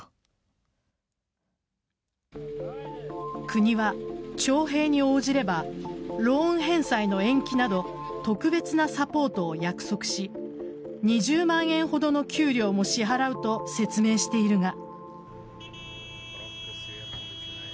国は、徴兵に応じればローン返済の延期など特別なサポートを約束し２０万円ほどの給料も支払うと説明しているが。